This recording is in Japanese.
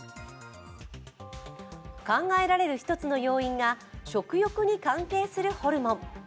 考えられる一つの要因が食欲に関係するホルモン。